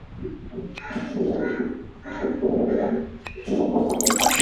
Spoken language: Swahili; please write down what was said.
Wabebe waliokwama, wainue walio chini,